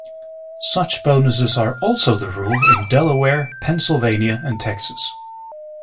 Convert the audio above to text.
Such bonuses are also the rule in Delaware, Pennsylvania, and Texas.